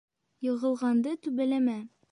Йығылғанды түбәләмә.